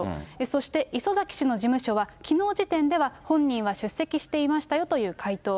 そして磯崎氏の事務所は、きのう時点では本人は出席していましたよという回答。